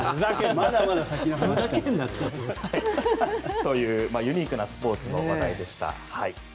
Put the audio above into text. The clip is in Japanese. ふざけんな。というユニークなスポーツの話題でした。